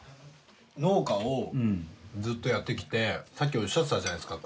農家をずっとやってきてさっきおっしゃってたじゃないですか。